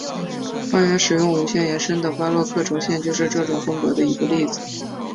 花园使用无限延伸的巴洛克轴线就是这种风格的一个例子。